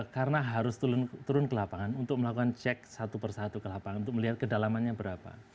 karena harus turun ke lapangan untuk melakukan cek satu persatu ke lapangan untuk melihat kedalamannya berapa